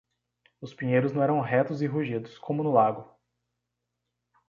Os pinheiros não eram retos e rugidos, como no lago.